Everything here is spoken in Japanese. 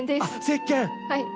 せっけん！